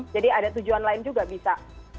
jadi ada tujuan lain juga bisa